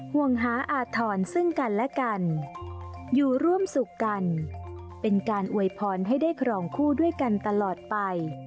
ห่วงหาอาธรณ์ซึ่งกันและกันอยู่ร่วมสุขกันเป็นการอวยพรให้ได้ครองคู่ด้วยกันตลอดไป